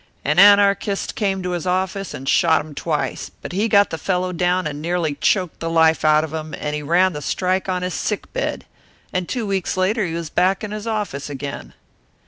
An Anarchist came to his office and shot him twice; but he got the fellow down and nearly choked the life out of him, and he ran the strike on his sick bed, and two weeks later he was back in his office again."